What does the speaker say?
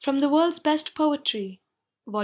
The WorldsVest Poetry Vol.!